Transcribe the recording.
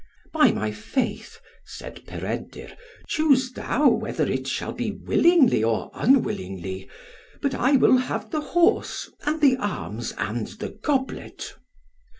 "By my faith," said Peredur, "choose thou whether it shall be willingly or unwillingly, but I will have the horse, and the arms, and the goblet."